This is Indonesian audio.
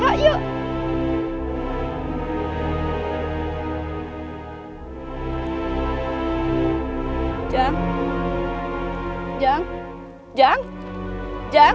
aku sudah tersahar yuk